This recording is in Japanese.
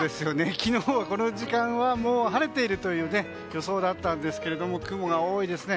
昨日、この時間は晴れているという予想でしたが雲が多いですね。